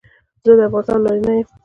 زه د افغانستان او نارینه یم.